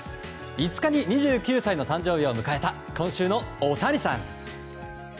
５日に２９歳の誕生日を迎えた今週のオオタニサン。